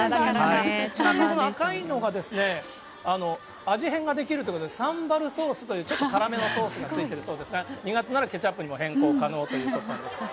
ちなみにこの赤いのが味変ができるということで、サンバルソースというちょっと辛めのソースがついてるそうですが、苦手ならケチャップにも変更可能ということです。